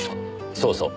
そうそう。